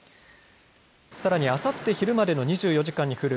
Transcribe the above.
さらにあさって昼までの２４時間に降る